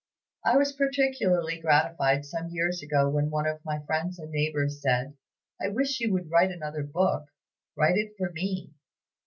I was particularly gratified, some years ago, when one of my friends and neighbors said, 'I wish you would write another book write it for me.'